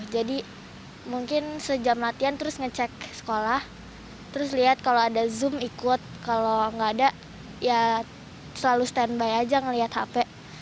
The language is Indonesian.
jadi mungkin sejam latihan terus ngecek sekolah terus lihat kalau ada zoom ikut kalau nggak ada ya selalu standby aja ngeliat hp